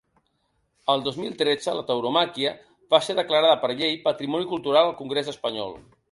El dos mil tretze, la tauromàquia va ser declarada per llei patrimoni cultural al congrés espanyol.